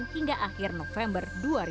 hingga akhir november dua ribu dua puluh